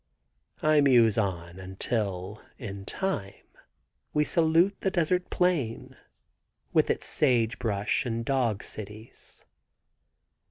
I muse on until in time we salute the desert plain, with its sage brush and dog cities.